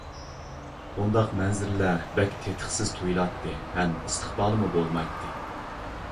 بۇنداق مەنزىرىلەر بەك تېتىقسىز تۇيۇلاتتى ھەم ئىستىقبالىمۇ بولمايتتى!